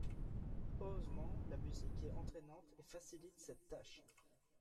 Heureusement la musique est entraînante et facilite cette tâche.